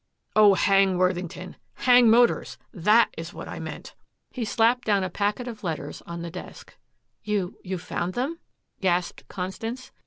"Oh, hang Worthington hang Motors. THAT is what I meant." He slapped down a packet of letters on the desk. "You you found them?" gasped Constance.